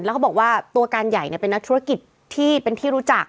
แล้วเขาบอกว่าตัวการใหญ่เป็นนักธุรกิจที่เป็นที่รู้จัก